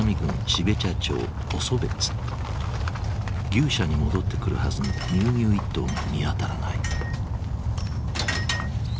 牛舎に戻ってくるはずの乳牛一頭が見当たらない。